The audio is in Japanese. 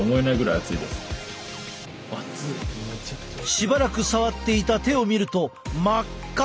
しばらく触っていた手を見ると真っ赤。